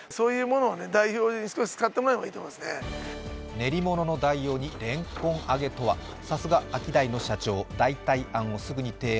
練り物の代用にれんこん揚げとはさすがアキダイの社長、代替案をすぐに提案。